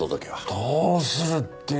どうするって。